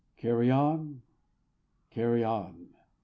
Carry on! Carry on!